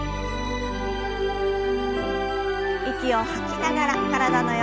息を吐きながら体の横。